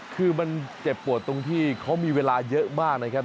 คือมันเจ็บปวดตรงที่เขามีเวลาเยอะมากนะครับ